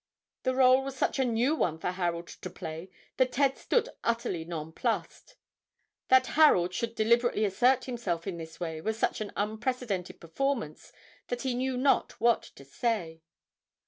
The role was such a new one for Harold to play that Ted stood utterly nonplussed. That Harold should deliberately assert himself in this way was such an unprecedented performance that he knew not what to say.